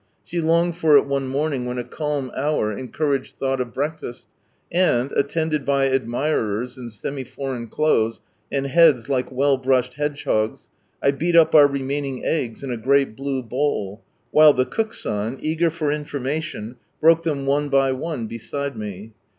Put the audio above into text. She longed for it one morning when a calm hour encouraged thought of breakfast, and, attended by admirers in semi foreign clothes, and heads like well brushed hedgehogs, I beat up our remaining eggs in a great blue bowl, while the Cook San, eager for information, broke them one by one beside me.